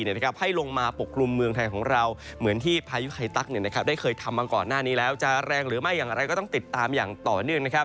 ได้เคยทำก่อนหน้านี้แล้วจะแรงหรือไม่อย่างไรก็ต้องติดตามอย่างต่อเนื่อง